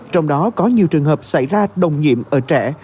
trong đó có nhiều trường hợp xảy ra đồng nhiễm ở trẻ